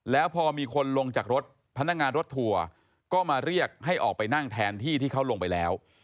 แล้วพอมีคนลงจากรถพนักงานรถทัวร์ก็มาเรียกให้ออกไปนั่งแทนที่ที่เขาลงไปแล้ว